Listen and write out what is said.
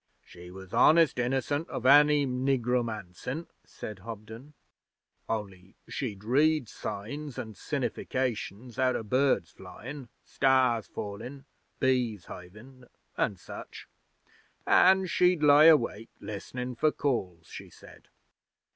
'She was honest innocent of any nigromancin',' said Hobden. 'Only she'd read signs and sinnifications out o' birds flyin', stars fallin', bees hivin', and such. An, she'd lie awake listenin' for calls, she said.'